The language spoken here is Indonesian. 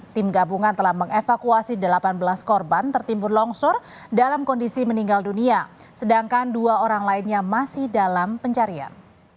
tim gabungan telah mengevakuasi delapan belas korban tertimbun longsor dalam kondisi meninggal dunia sedangkan dua orang lainnya masih dalam pencarian